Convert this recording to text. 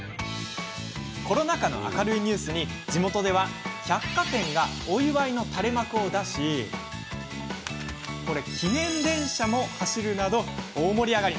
コロナ禍の明るいニュースに地元では百貨店がお祝いの垂れ幕を出し記念電車も走るなど大盛り上がり。